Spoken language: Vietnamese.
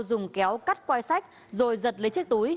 dùng kéo cắt quai sách rồi giật lấy chiếc túi